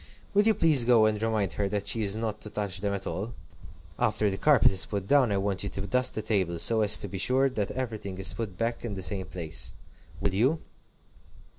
Will you please go and remind her that she is not to touch them at all? After the carpet is put down, I want you to dust the table, so as to be sure that everything is put back in the same place. Will you?"